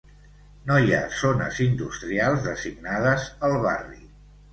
No hi ha zones industrials designades al barri.